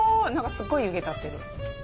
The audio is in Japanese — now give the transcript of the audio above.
何かすっごい湯気たってる。